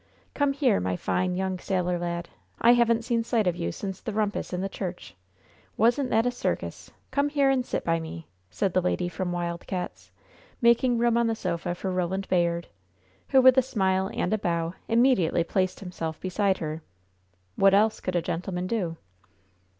"Come here, my fine, young sailor lad! I haven't seen sight of you since the rumpus in the church! Wasn't that a circus? Come here and sit by me!" said the lady from Wild Cats', making room on the sofa for Roland Bayard, who, with a smile and a bow, immediately placed himself beside her. What else could a gentleman do?